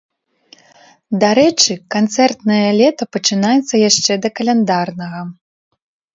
Дарэчы, канцэртнае лета пачынаецца яшчэ да каляндарнага.